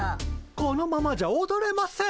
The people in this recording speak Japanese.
このままじゃおどれません。